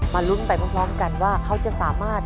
ลุ้นไปพร้อมกันว่าเขาจะสามารถ